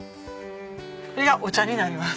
これがお茶になります。